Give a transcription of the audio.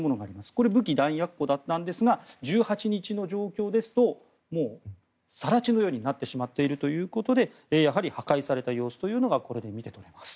これ、武器弾薬庫だったんですが１８日の状況ですともう更地のようになってしまっているということでやはり破壊された様子というのが見て取れます。